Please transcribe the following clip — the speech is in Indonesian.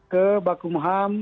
ke bakum ham